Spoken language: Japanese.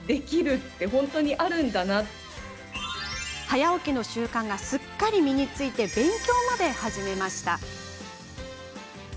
早起きの習慣がすっかり身につき勉強まで始めました。